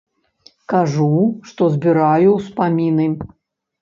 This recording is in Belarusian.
Кажу, што збіраю ўспаміны.